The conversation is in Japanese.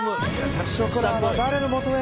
ショコラは誰のもとへ。